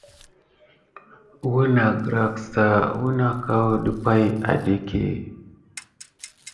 Ounagrassa wuna akou dumpay aɗéke.